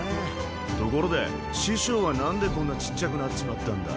ところで師匠はなんでこんなちっちゃくなっちまったんだ？